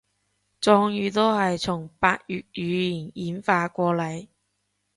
壯語都係從百越語言演化過禮